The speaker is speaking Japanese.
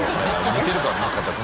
似てるからな形。